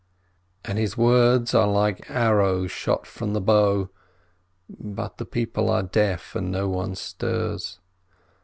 And his words are like arrows shot from the bow. But the people are deaf, and no one stirs.